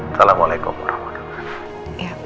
assalamualaikum warahmatullahi wabarakatuh